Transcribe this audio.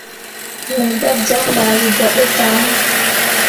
Me gah jam ɓah wǝ gah ɗe tah ne.